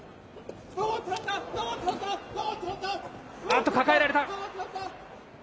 あっと、抱えられた。